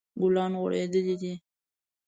ګلان غوړیدلی دي